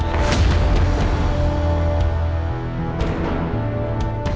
tante aku mau menemukan raja